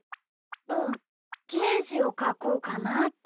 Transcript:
うんゲージをかこうかなって。